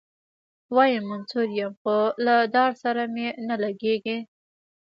وايي منصور یم خو له دار سره مي نه لګیږي.